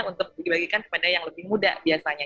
untuk dibagikan kepada yang lebih muda biasanya